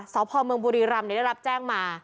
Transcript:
สาวพอร์เมืองบุรีรำเนี่ยได้รับแจ้งมา